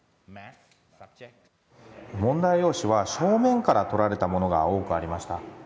問題用紙は正面から撮られたものが多くありました。